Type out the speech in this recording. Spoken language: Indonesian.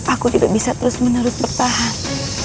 aku tidak bisa terus menerus bertahan